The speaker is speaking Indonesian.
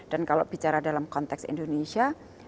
dan kalau bicara dalam konteks indonesia